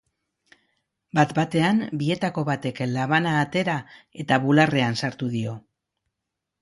Bat-batean bietako batek labana atera eta bularrean sartu dio.